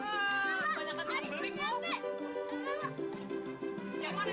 aku yang bilang sendiri